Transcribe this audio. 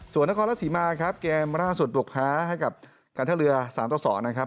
ส่วนนครลักษีมาครับเกมล่าสุดปลูกพ้าให้กับการเท่าเรือ๓๒นะครับ